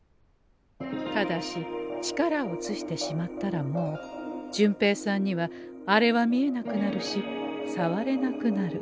ただし力をうつしてしまったらもう順平さんにはあれは見えなくなるしさわれなくなる。